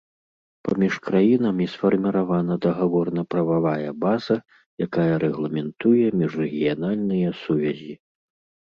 Паміж краінамі сфарміравана дагаворна-прававая база, якая рэгламентуе міжрэгіянальныя сувязі.